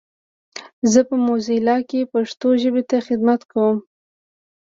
زه په موزیلا کې پښتو ژبې ته خدمت کوم.